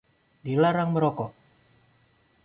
Dilarang merokok!